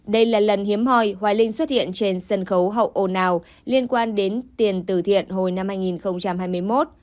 đây là lần hiếm hoi hoài linh xuất hiện trên sân khấu hậu ồn nào liên quan đến tiền tử thiện hồi năm hai nghìn hai mươi một